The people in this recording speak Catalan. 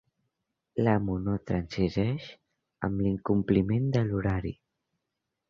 L'amo no transigeix amb l'incompliment de l'horari.